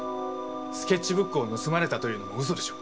スケッチブックを盗まれたというのも嘘でしょう。